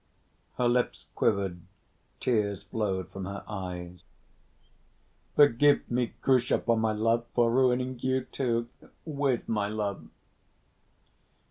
Her lips quivered, tears flowed from her eyes. "Forgive me, Grusha, for my love, for ruining you, too, with my love."